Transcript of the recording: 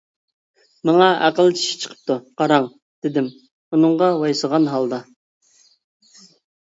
ماڭا ئەقىل چىشى چىقىپتۇ قاراڭ دېدىم ئۇنىڭغا ۋايسىغان ھالدا.